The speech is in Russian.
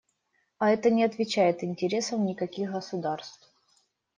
А это не отвечает интересам никаких государств.